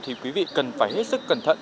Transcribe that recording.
thì quý vị cần phải hết sức cẩn thận